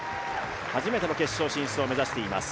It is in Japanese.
初めての決勝進出を目指しています。